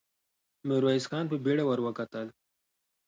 ميرويس خان په بېړه ور وکتل.